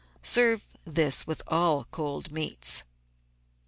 Serve this with all cold meats.